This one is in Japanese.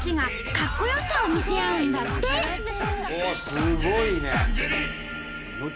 すごいね。